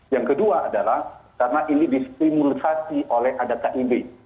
yang kedua adalah karena ini diskrimulasi oleh ada kib